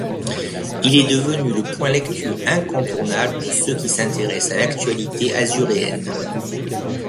Il est devenu le point lecture incontournable de ceux qui s'intéressent à l'actualité azuréenne.